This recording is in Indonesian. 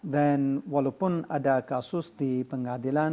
dan walaupun ada kasus di pengadilan